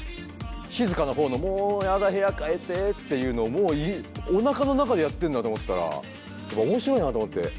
静かなほうのもう嫌だ部屋変えてっていうのをもうおなかの中でやってるんだと思ったら面白いなと思って。